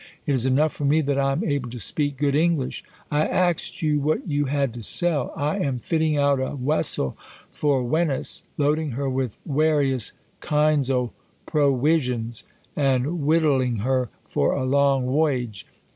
It is enough for me that I am able to speak good English. I axM you what you had to sell. I am fitting out a wessel for Wenice ; loading her with warious keinds of prowisions, and wittualling her for a long woyage ; and.